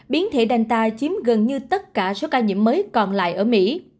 biến thể danta chiếm gần như tất cả số ca nhiễm mới còn lại ở mỹ